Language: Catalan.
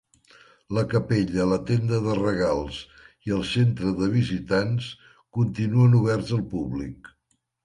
La capella, la tenda de regals i el centre de visitants continuen oberts al públic.